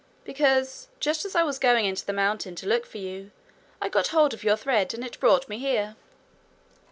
'Because, just as I was going into the mountain to look for you, I got hold of your thread, and it brought me here.'